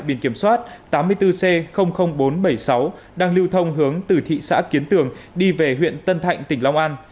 biển kiểm soát tám mươi bốn c bốn trăm bảy mươi sáu đang lưu thông hướng từ thị xã kiến tường đi về huyện tân thạnh tỉnh long an